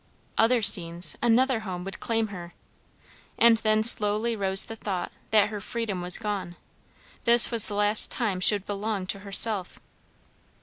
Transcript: Other scenes, another home, would claim her; and then slowly rose the thought that her freedom was gone; this was the last time she would belong to herself.